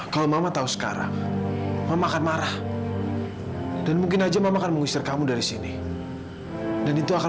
kalau mama tahu sekarang makan marah dan mungkin aja makan mengusir kamu dari sini dan itu akan